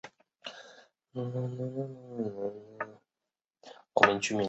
另一个受关注的问题是澳门居民的去留。